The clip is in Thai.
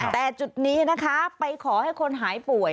แต่จุดนี้นะคะไปขอให้คนหายป่วย